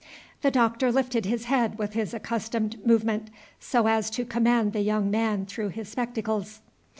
The Doctor lifted his head with his accustomed movement, so as to command the young man through his spectacles.